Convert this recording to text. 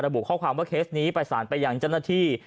มาระบุข้อความว่าเคสนี้ไปสารไปอย่างเจ้าหน้าที่